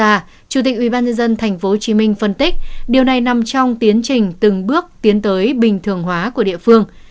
chủ tịch ubnd tp hcm phân tích điều này nằm trong tiến trình từng bước tiến tới bình thường hóa của địa phương